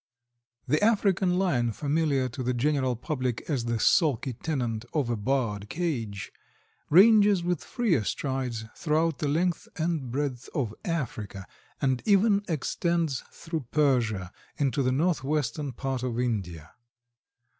_) The African Lion, familiar to the general public as the sulky tenant of a barred cage, ranges with freer strides throughout the length and breadth of Africa, and even extends through Persia into the northwestern part of India.